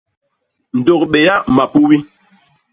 Ndôk Béa Mapubi.